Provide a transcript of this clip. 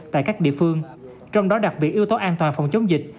tại các địa phương trong đó đặc biệt yếu tố an toàn phòng chống dịch